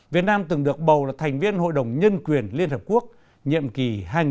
việt nam từng được bầu là thành viên hội đồng nhân quyền liên hợp quốc nhiệm kỳ hai nghìn một mươi bốn hai nghìn một mươi sáu